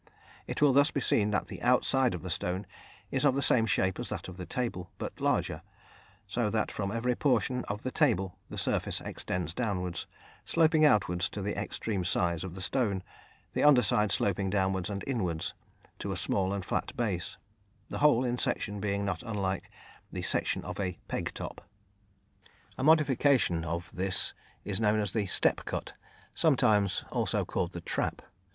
It will thus be seen that the outside of the stone is of the same shape as that of the "table," but larger, so that from every portion of the "table" the surface extends downwards, sloping outwards to the extreme size of the stone, the underside sloping downwards and inwards to a small and flat base, the whole, in section, being not unlike the section of a "pegtop." A modification of this is known as the "step" cut, sometimes also called the "trap."